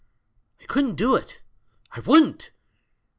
"I couldn't do it, I wouldn't!